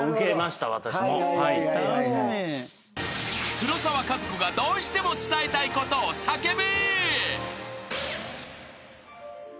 ［黒沢かずこがどうしても伝えたいことを叫ぶ］